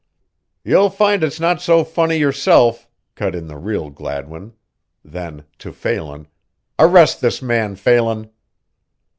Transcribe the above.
"You'll find it's not so funny yourself," cut in the real Gladwin. Then to Phelan, "Arrest this man, Phelan."